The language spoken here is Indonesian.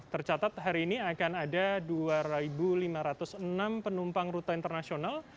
tercatat hari ini akan ada dua lima ratus enam penumpang rute internasional